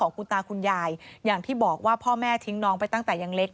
โปรดติดตามต่างกรรมโปรดติดตามต่างกรรม